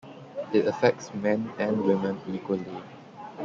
It affects men and women equally.